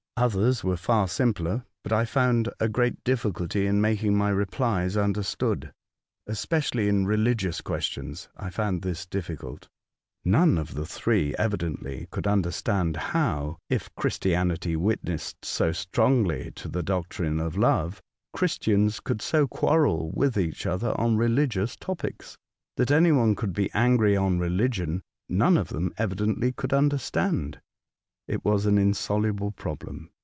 Others were far simpler, but I found a great difficulty in making my replies understood. Especially in religious questions I found this difficulty. None of the three evidently could understand how, if Christianity witnessed so strongly to the doc trine of love, Christians could so quarrel with each other on religious topics. That any one could be angry on religion none of them evidently could understand. It was an in soluble problem.